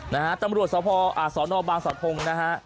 นะฮะตำรวจสาวพอร์อาสอนอบางสะพง